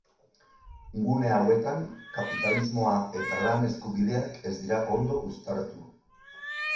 Gune hauetan, kapitalismoa eta lan eskubideak ez dira ondo uztartu.